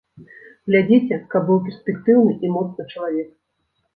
Глядзіце, каб быў перспектыўны і моцны чалавек.